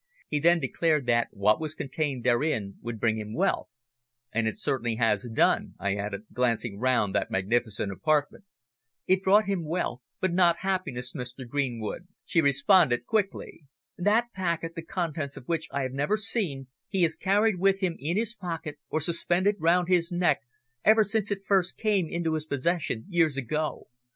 "He then declared that what was contained therein would bring him wealth and it certainly has done," I added, glancing round that magnificent apartment. "It brought him wealth, but not happiness, Mr. Greenwood," she responded quickly. "That packet, the contents of which I have never seen, he has carried with him in his pocket or suspended round his neck ever since it first came into his possession years ago.